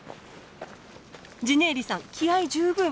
ジネーリさん気合い十分。